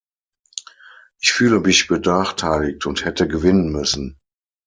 Ich fühle mich benachteiligt und hätte gewinnen müssen.